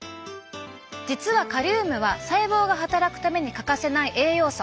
実はカリウムは細胞が働くために欠かせない栄養素。